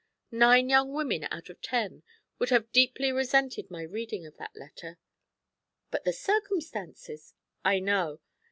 Nine young women out of ten would have deeply resented my reading of that letter.' 'But the circumstances ' 'I know.